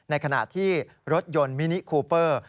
ในขณะที่รถยนต์มินิคูเปอร์